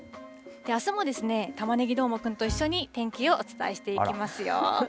あすもたまねぎどーもくんと一緒に天気をお伝えしていきますよ。